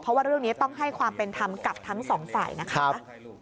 เพราะว่าเรื่องนี้ต้องให้ความเป็นธรรมกับทั้งสองฝ่ายนะคะ